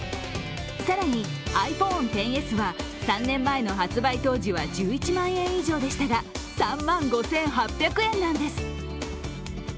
更にｉＰｈｏｎｅⅩｓは３年前の発売当時は１１万円以上でしたが、３万５８００円なんです。